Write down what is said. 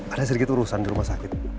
ada sedikit urusan di rumah sakit